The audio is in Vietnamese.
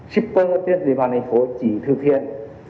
shipper tiết dịch vào thành phố chỉ thực hiện